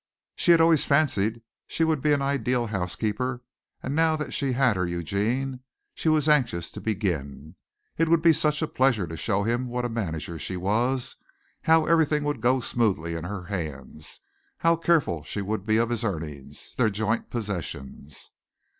She had always fancied she would be an ideal housekeeper and now that she had her Eugene she was anxious to begin. It would be such a pleasure to show him what a manager she was, how everything would go smoothly in her hands, how careful she would be of his earnings their joint possessions.